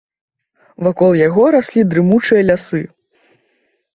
Вакол яго раслі дрымучыя лясы.